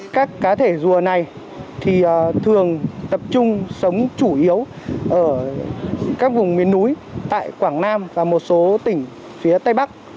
các cá thể rùa này thường tập trung sống chủ yếu ở các vùng miền núi tại quảng nam và một số tỉnh phía tây bắc